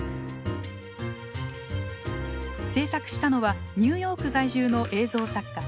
制作したのはニューヨーク在住の映像作家